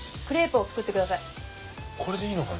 クレープを作ってください。